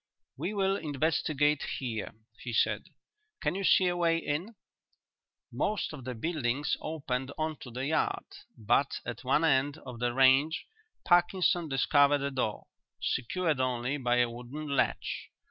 "We will investigate here," he said. "Can you see a way in?" Most of the buildings opened on to the yard, but at one end of the range Parkinson discovered a door, secured only by a wooden latch.